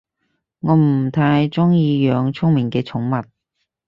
我唔太鍾意養聰明嘅寵物